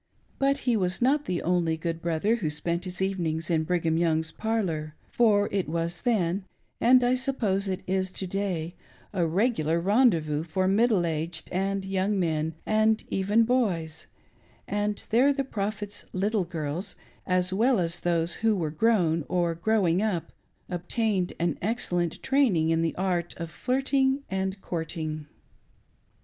But he was not the only good brother who spent his evenings in Brigham Young's parlor ; for it was then — and I suppose it is to day — a regular rendezvous for middle aged and young men, and even boys ; and there the Prophet's little girls, as well as those who were grown or growing up, obtained an excellent training in the art of flirting and courting.